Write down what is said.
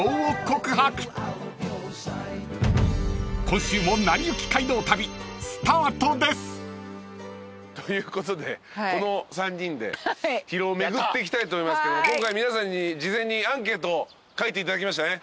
［今週も『なりゆき街道旅』スタートです］ということでこの３人で広尾を巡っていきたいと思いますけども今回皆さんに事前にアンケート書いていただきましたね。